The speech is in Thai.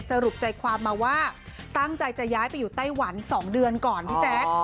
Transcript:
สรุปใจความมาว่าตั้งใจจะย้ายไปอยู่ไต้หวัน๒เดือนก่อนพี่แจ๊ค